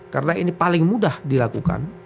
karena ini paling mudah dilakukan